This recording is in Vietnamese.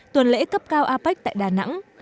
tuần lễ cấp cao apec tại đà nẵng